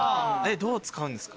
どう使うんですか？